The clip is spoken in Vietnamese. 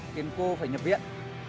khiến cô phải nhập viện